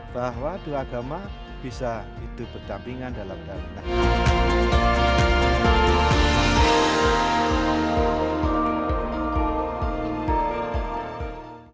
bahwa dua agama bisa hidup berdampingan dalam keadaan